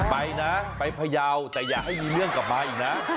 ไปนะไปพยาวแต่อย่าให้มีเรื่องกลับมาอีกนะ